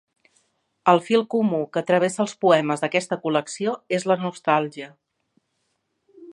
El fil comú que travessa els poemes d'aquesta col·lecció és la nostàlgia.